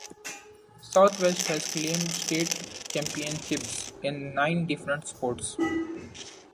Southwest has claimed state championships in nine different sports.